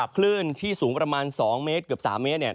ขึ้นที่สูงประมาณ๒เมตรสามเมตร